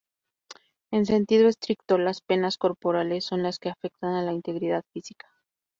En sentido estricto, las penas corporales son las que afectan a la integridad física.